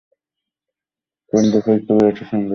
কোন বোকাই কেবল এটা সন্দেহ করবে।